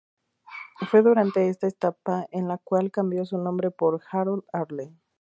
Fue durante esta etapa en la cual cambió su nombre por Harold Arlen.